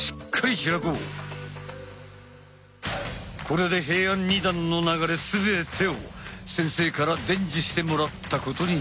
これで平安二段の流れ全てを先生から伝授してもらったことになる。